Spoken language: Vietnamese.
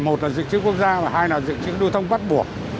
một là dự trữ quốc gia và hai là dự trữ lưu thông bắt buộc